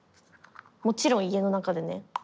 もちろん家の中でね。